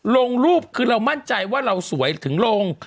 ลงรูปคือเรามั่นใจว่าเราสวยถึงลง